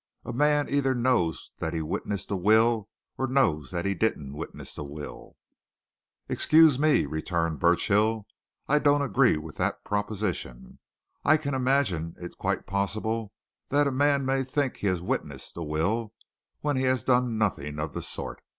"A man either knows that he witnessed a will or knows that he didn't witness a will." "Excuse me," returned Burchill, "I don't agree with that proposition. I can imagine it quite possible that a man may think he has witnessed a will when he has done nothing of the sort.